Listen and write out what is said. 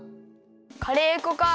カレー粉か。